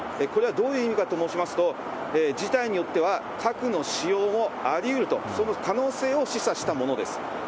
これはどういう意味かと申しますと、事態によっては核の使用もありうると、その可能性を示唆したものです。